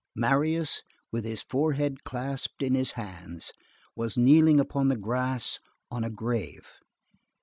Marius, with his forehead clasped in his hands, was kneeling upon the grass on a grave.